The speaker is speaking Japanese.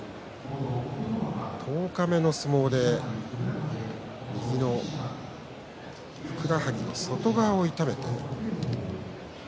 十日目の相撲で右のふくらはぎの外側を痛めました。